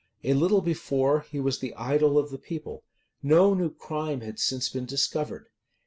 A little before, he was the idol of the people. No new crime had since been discovered.